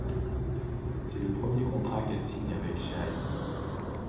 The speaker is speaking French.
C'est le premier contrat qu'elle signe avec Chahine.